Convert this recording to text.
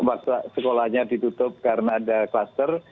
waktu sekolahnya ditutup karena ada kluster